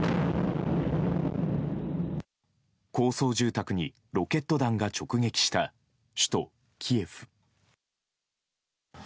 高層住宅にロケット弾が直撃した首都キエフ。